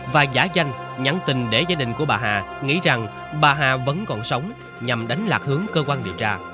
và giả danh nhắn tình để gia đình của bà hà nghĩ rằng bà hà vẫn còn sống nhằm đánh lạc hướng cơ quan điều tra